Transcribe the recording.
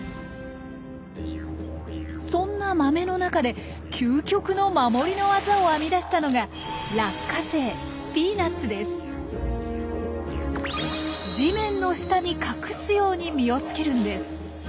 そんな豆の中で究極の守りの技を編み出したのが地面の下に隠すように実をつけるんです。